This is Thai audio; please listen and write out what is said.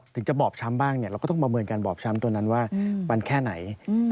ถึงจะบอบช้ำบ้างเราก็ต้องประเมินการบอบช้ำตัวนั้นว่ามันแค่ไหน